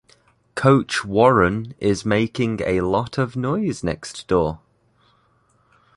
Coach Warren is making a lot of noise next door.